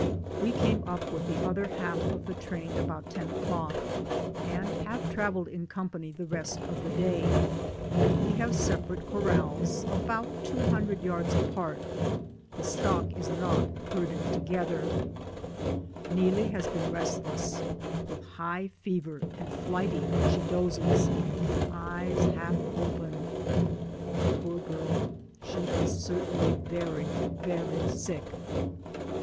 We came up with the other half of the train about ten o'clock, and have traveled in company the rest of the day. We have sepa DAYS ON THE ROAD. i8i rate corrals about two hundred yards apart; the stock is not herded together. Neelie has been restless with high fever and flighty when she dozes; with eyes half open, poor girl she is certainly very, very sick.